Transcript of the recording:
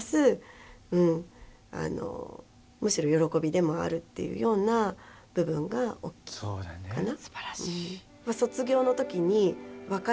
でもあるっていうような部分が大きいかな。